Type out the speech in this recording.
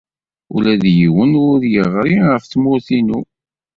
Ula d yiwen ur yeɣri ɣef tmurt-inu.